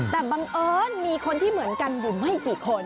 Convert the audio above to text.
แต่บังเอิญมีคนที่เหมือนกันอยู่ไม่กี่คน